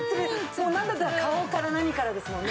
もうなんだったら顔から何からですもんね。